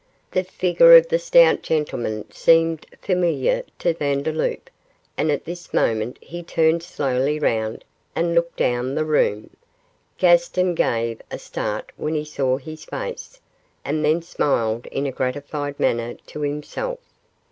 The figure of the stout gentleman seemed familiar to Vandeloup, and at this moment he turned slowly round and looked down the room. Gaston gave a start when he saw his face, and then smiled in a gratified manner to himself.